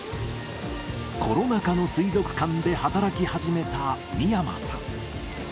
コロナ禍の水族館で働き始めた見山さん。